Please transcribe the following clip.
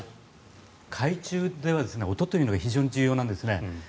海中では音というのは非常に重要なんですね。